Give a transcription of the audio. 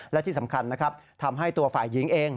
และที่สำคัญนะครับทำให้ตัวฝ่ายหญิงเอง